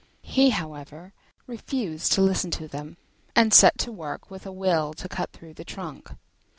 He, however, refused to listen to them, and set to work with a will to cut through the trunk.